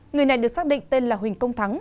người này được xác định tên là huỳnh công thắng